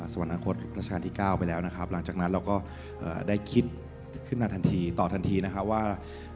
สวรรคตรัชกาลที่๙ไปแล้วนะครับหลังจากนั้นเราก็ได้คิดขึ้นมาทันทีต่อทันทีนะครับว่า